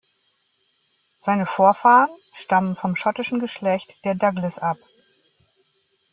Seine Vorfahren stammen vom schottischen Geschlecht der Douglas ab.